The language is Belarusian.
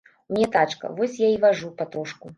У мяне тачка, вось я і важу патрошку.